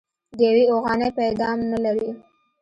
د يوې اوغانۍ پيدام نه لري.